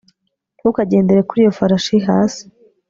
Ntukagendere kuri iyo farashi hasi